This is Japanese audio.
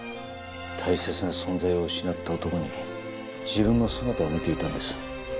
大切な存在を失った男に自分の姿を見ていたんです。